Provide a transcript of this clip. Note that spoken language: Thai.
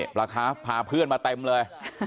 ปลาคาฟพาเพื่อนมาเต็มเลย